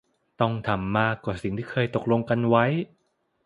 ต้องทำมากกว่าสิ่งที่เคยตกลงกันไว้